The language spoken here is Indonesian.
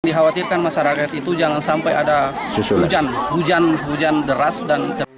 dihawatirkan masyarakat itu jangan sampai ada hujan hujan deras dan terlalu